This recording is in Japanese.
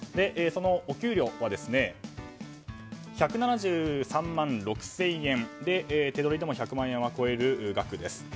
その給料は１７３万６０００円で手取りでも１００万円を超える額です。